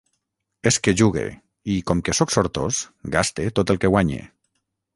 És que jugue; i, com que sóc sortós, gaste tot el que guanye.